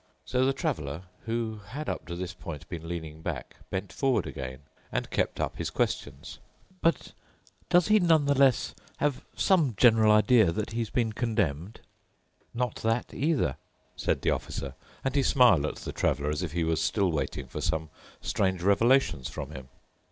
So the Traveler, who had up to this point been leaning back, bent forward again and kept up his questions, "But does he nonetheless have some general idea that he's been condemned?" "Not that either," said the Officer, and he smiled at the traveler, as if he was still waiting for some strange revelations from him.